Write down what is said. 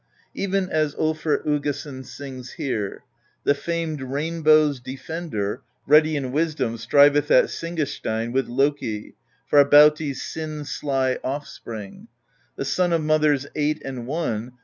Even as tJlfr Uggason sings here: The famed rain bow's defender, Ready in wisdom, striveth At Singasteinn with Loki, Farbauti's sin sly offspring; The son of mothers eight and one.